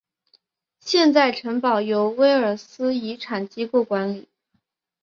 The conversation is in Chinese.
现在城堡由威尔斯遗产机构管理。